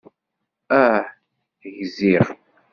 Ah, gziɣ.